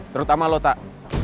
terutama lo tak